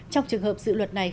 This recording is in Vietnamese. trong trường hợp dự luật này